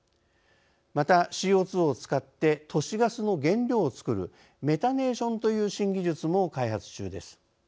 またＣＯ２を使って都市ガスの原料を作るメタネーションという新技術も開発中です。